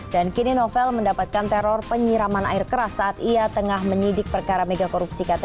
dan kini novel mendapatkan teror penyiraman air keras saat ia tengah menyidik perkara megakorupsi ktp